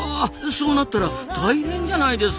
そうなったら大変じゃないですか。